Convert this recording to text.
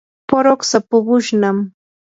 puruksa puqushnam.